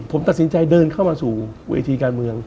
ผมตัดสินใจเดินเข้ามาสู่เวทีการเมือง